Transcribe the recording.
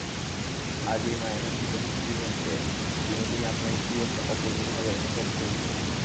আজ এই মায়ামণ্ডিত পৃথিবীর মধ্যে বিনোদিনী আপনাকে কী একটা অপূর্বভাবে অনুভব করিল।